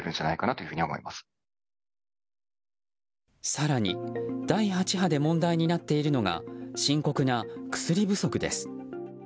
更に第８波で問題になっているのが深刻な薬不足です。